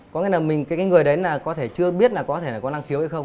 có nghĩa là mình cái người đấy là có thể chưa biết là có thể là có năng khiếu hay không